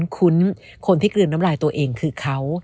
คุ้นคนที่กลืนน้ำลายตัวเองคือเขา